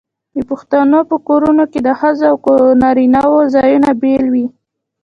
د پښتنو په کورونو کې د ښځو او نارینه وو ځایونه بیل وي.